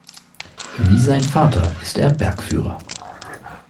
Wie sein Vater ist er Bergführer.